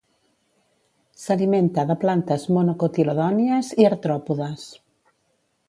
S'alimenta de plantes monocotiledònies i artròpodes.